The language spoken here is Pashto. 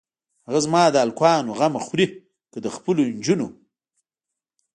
هه زما د الکانو غمه خورې که د خپلو جونو.